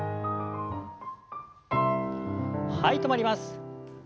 はい止まります。